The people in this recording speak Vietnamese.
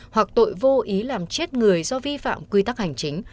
hoặc tội vô ý làm chết người do vi phạm quy tắc hành chính